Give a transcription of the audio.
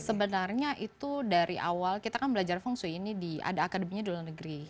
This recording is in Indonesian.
sebenarnya itu dari awal kita kan belajar feng shui ini ada akademinya di luar negeri